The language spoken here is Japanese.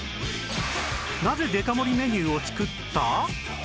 なぜデカ盛りメニューを作った？